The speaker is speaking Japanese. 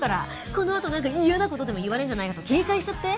このあとなんか嫌な事でも言われるんじゃないかと警戒しちゃって。